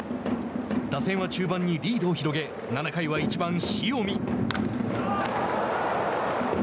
打線は中盤にリードを広げ７回は１番、塩見。